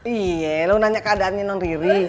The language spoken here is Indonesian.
iya lo nanya keadaannya non diri